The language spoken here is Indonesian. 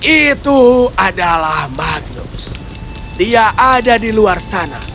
itu adalah maklums dia ada di luar sana